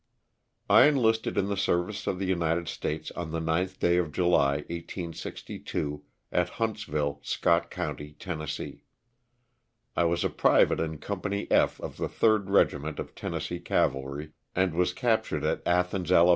T ENLISTED in the service of the United States on ^ the 9th day of July, 1862, at Huntsville, Scott county, Tenn. I was a private in Company F of the 3rd Regiment of Tennessee Cavalry, and was captured at Athens, Ala.